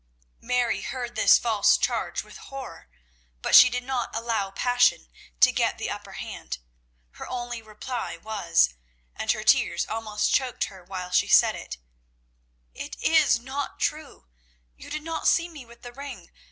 Mary heard this false charge with horror, but she did not allow passion to get the upper hand. Her only reply was, and her tears almost choked her while she said it "It is not true. You did not see me with the ring.